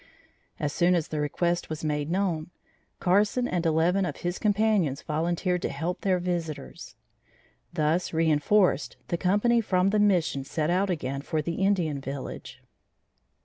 As soon as the request was made known, Carson and eleven of his companions volunteered to help their visitors. Thus reinforced, the company from the Mission set out again for the Indian village.